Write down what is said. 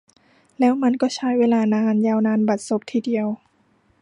แล้วมันก็ใช้เวลานาน ยาวนานบัดซบทีเดียว